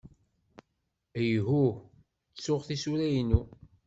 Ihuh, ttuɣ tisura-inu.